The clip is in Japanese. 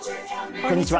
こんにちは。